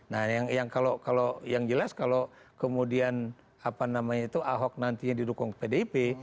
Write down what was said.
nah yang jelas kalau kemudian ahok nantinya didukung pdip